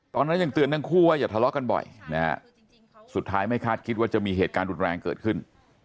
ตอนนั้นยังเตือนทั้งคู่ว่าอย่าทะเลาะกันบ่อยนะฮะสุดท้ายไม่คาดคิดว่าจะมีเหตุการณ์รุนแรงเกิดขึ้น